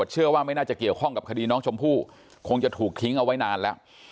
เชื่อว่าไม่น่าจะเกี่ยวข้องกับคดีน้องชมพู่คงจะถูกทิ้งเอาไว้นานแล้ว